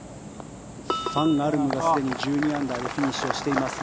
ファン・アルムがすでに１２アンダーでフィニッシュしています。